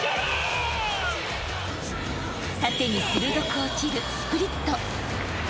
縦に鋭く落ちるスプリット。